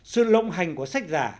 sự lộng hành của sách giả